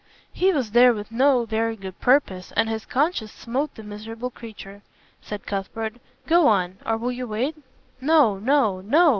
"He was there with no very good purpose and his conscience smote the miserable creature," said Cuthbert, "go on or will you wait?" "No! no! no!"